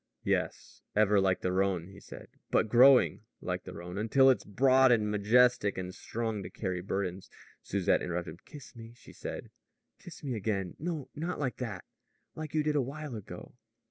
"Yes, ever like the Rhone," he said; "but growing, like the Rhone, until it's broad and majestic and strong to carry burdens " Susette interrupted him. "Kiss me," she said. "Kiss me again. No not like that; like you did a while ago."